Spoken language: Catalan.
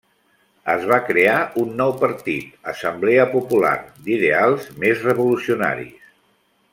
Es va crear un nou partit, Assemblea Popular, d'ideals més revolucionaris.